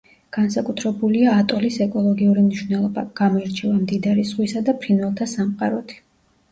განსაკუთრებულია ატოლის ეკოლოგიური მნიშვნელობა; გამოირჩევა მდიდარი ზღვისა და ფრინველთა სამყაროთი.